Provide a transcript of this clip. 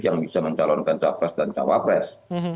yang bisa mencalonkan capres dan cawapres